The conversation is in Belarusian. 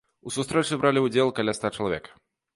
У сустрэчы бралі ўдзел каля ста чалавек.